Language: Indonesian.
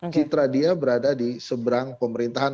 citra dia berada di seberang pemerintahan